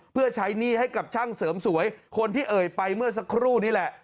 เพื่อใช้หนี้ให้กับช่างเสริมสวยคนที่เอ่ยไปเมื่อสักครู่นี่แหละ